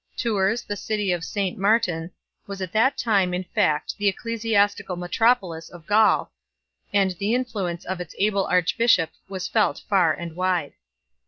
Tours, the city of St Martin, was at that time in fact the ecclesiastical metropolis of Gaul, and the influence of its able arch bishop was felt far and wide.